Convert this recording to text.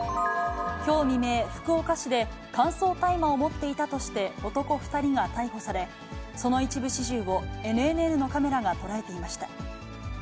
きょう未明、福岡市で乾燥大麻を持っていたとして男２人が逮捕され、その一部始終をＮＮＮのカメラが捉えていました。